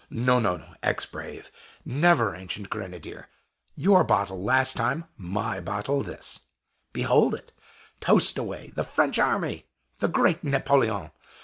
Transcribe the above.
"No, no, ex brave; never ancient grenadier! Your bottle last time; my bottle this. Behold it! Toast away! The French Army! the great Napoleon!